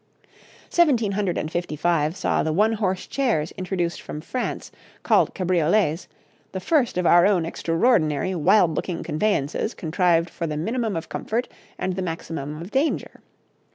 [Illustration: {Two women of the time of George II.}] Seventeen hundred and fifty five saw the one horse chairs introduced from France, called cabriolets, the first of our own extraordinary wild looking conveyances contrived for the minimum of comfort and the maximum of danger.